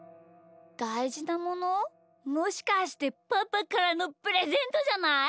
「だいじなもの」？もしかしてパパからのプレゼントじゃない？